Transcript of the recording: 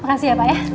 makasih ya pak ya